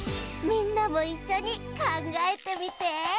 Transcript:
みんなもいっしょにかんがえてみて！